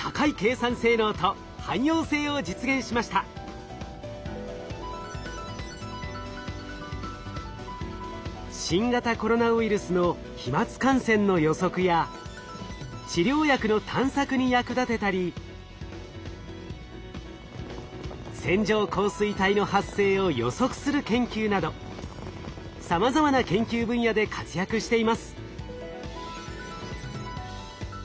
かつてない新型コロナウイルスの飛沫感染の予測や治療薬の探索に役立てたり線状降水帯の発生を予測する研究などさまざまな研究分野で活躍しています。